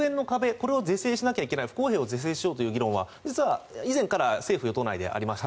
これを是正しないといけない不公平を是正しようという議論は以前から政府・与党内でありました。